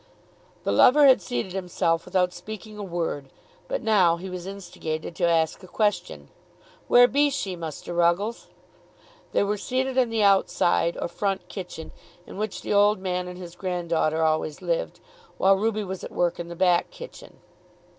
The lover had seated himself without speaking a word; but now he was instigated to ask a question. "Where be she, Muster Ruggles?" They were seated in the outside or front kitchen, in which the old man and his granddaughter always lived; while Ruby was at work in the back kitchen.